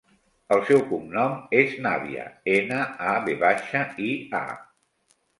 El seu cognom és Navia: ena, a, ve baixa, i, a.